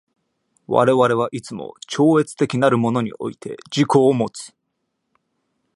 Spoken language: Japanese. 我々はいつも超越的なるものにおいて自己をもつ。